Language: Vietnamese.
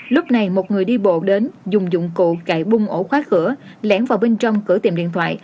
lúc này một người đi bộ đến dùng dụng cụ chạy bung ổ khóa cửa lẻn vào bên trong cửa tiệm điện thoại